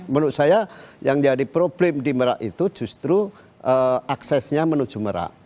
menurut saya yang jadi problem di merak itu justru aksesnya menuju merak